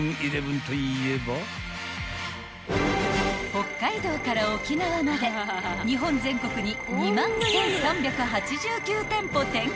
［北海道から沖縄まで日本全国に２万１，３８９店舗展開］